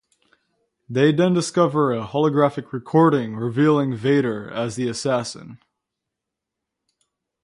They then discover a holographic recording, revealing Vader as the assassin.